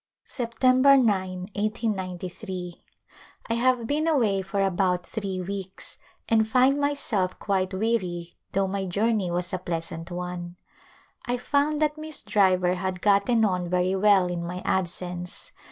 September p, i8gj. I have been away for about three weeks and find myself quite weary though my journey was a pleasant one. I found that Miss Driver had gotten on very well in my absence.